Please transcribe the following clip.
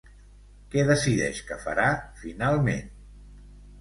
Què decideix que farà finalment?